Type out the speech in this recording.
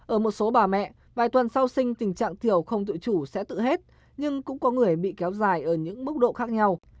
ở một số bà mẹ vài tuần sau sinh tình trạng thiểu không tự chủ sẽ tự hết nhưng cũng có người bị kéo dài ở những mức độ khác nhau